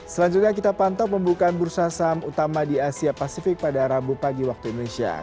selanjutnya kita pantau pembukaan bursa saham utama di asia pasifik pada rabu pagi waktu indonesia